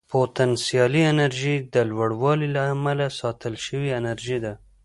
پوتنسیالي انرژي د لوړوالي له امله ساتل شوې انرژي ده.